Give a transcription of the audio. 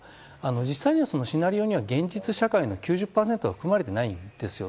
実際にはシナリオには現実社会の９０％は含まれていないんですよ。